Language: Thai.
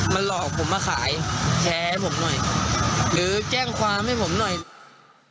มันหลอกผมมาขายแชร์ให้ผมหน่อยหรือแจ้งความให้ผมหน่อย